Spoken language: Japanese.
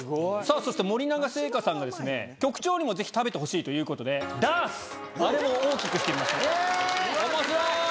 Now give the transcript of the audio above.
そして、森永製菓さんが局長にもぜひ食べてほしいということで、ダース、おもしろーい！